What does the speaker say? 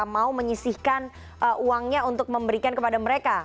mau menyisihkan uangnya untuk memberikan kepada mereka